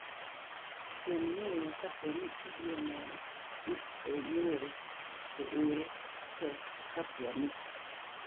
tem ng'iye kapo ni ibiro neno ni iore, to ore. to kapo ni